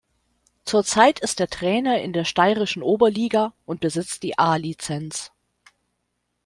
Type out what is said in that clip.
Zurzeit ist er Trainer in der steirischen Oberliga und besitzt die A-Lizenz.